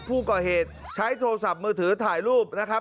ผู้ก่อเหตุใช้โทรศัพท์มือถือถ่ายรูปนะครับ